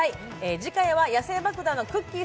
次回は野性爆弾のくっきー！